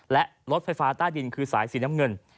และรถไฟฟ้าใต้ดินคือสายสีน้ำเงิน